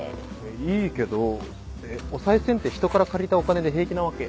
いいけどおさい銭って人から借りたお金で平気なわけ？